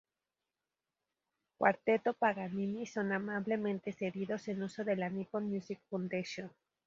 Quartetto Paganini son amablemente cedidos en uso de la Nippon Music Foundation.